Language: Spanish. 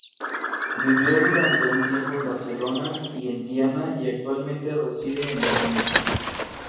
Vivió durante un tiempo en Barcelona y en Tiana y actualmente reside en Berlín.